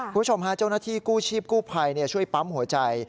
คุณผู้ชมฮะเจ้าหน้าที่กู้ชีพกู้ภัยช่วยปั๊มหัวใจ